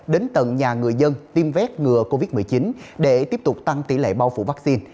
đến tầng nhà người dân tiêm vét ngừa covid một mươi chín để tiếp tục tăng tỷ lệ bao phủ vaccine